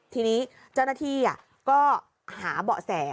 ทีนี้เจ้าหน้าที่ก็หาเบาะแส